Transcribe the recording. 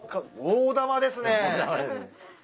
大玉ですね。